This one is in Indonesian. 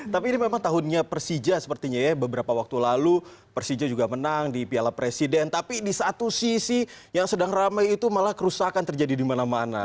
tapi ini memang tahunnya persija sepertinya ya beberapa waktu lalu persija juga menang di piala presiden tapi di satu sisi yang sedang ramai itu malah kerusakan terjadi di mana mana